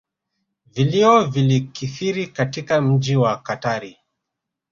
Vilio vilikithiri katika mji wa katari